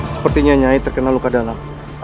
sepertinya nyai terkena luka dalam